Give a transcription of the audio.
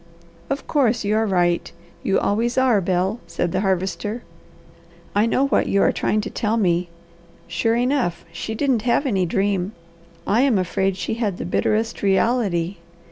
"Of course you are right! You always are, Bel!" said the Harvester. "I know what you are trying to tell me. Sure enough, she didn't have any dream. I am afraid she had the bitterest reality.